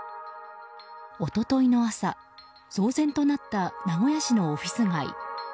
一昨日の朝、騒然となった名古屋市のオフィス街。